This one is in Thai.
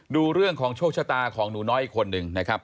ดูเรื่องของโชคชะตาของหนูน้อยอีกคนหนึ่งนะครับ